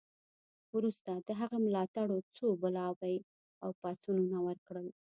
وروسته د هغه ملاتړو څو بلواوې او پاڅونونه وکړل.